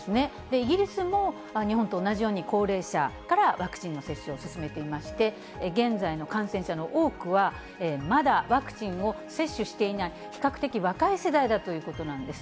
イギリスも日本と同じように、高齢者からワクチンの接種を進めていまして、現在の感染者の多くは、まだワクチンを接種していない比較的若い世代だということなんです。